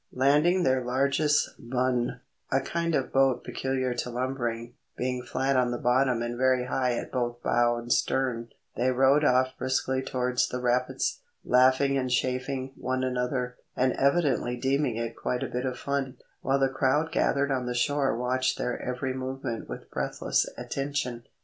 Landing their largest bonne, a kind of boat peculiar to lumbering being flat on the bottom and very high at both bow and stern, they rowed off briskly towards the rapids, laughing and chaffing one another, and evidently deeming it quite a bit of fun, while the crowd gathered on the shore watched their every movement with breathless attention.